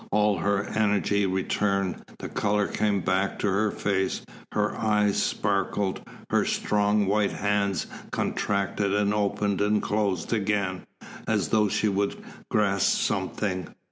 All her energy returned. The colour came back to her face, her eyes sparkled, her strong white hands contracted and opened, and closed again, as though she would grasp something.